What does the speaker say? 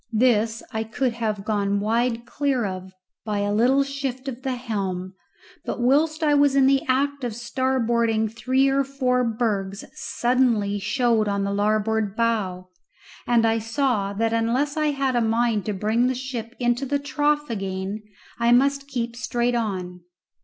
This I could have gone widely clear of by a little shift of the helm, but whilst I was in the act of starboarding three or four bergs suddenly showed on the larboard bow, and I saw that unless I had a mind to bring the ship into the trough again I must keep straight on.